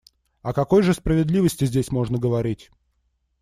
О какой же справедливости здесь можно говорить?